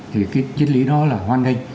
thì cái chức lý đó là hoan nghênh